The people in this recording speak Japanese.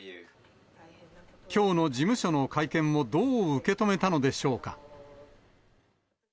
きょうの事務所の会見をどう受け止めたのでしょうか。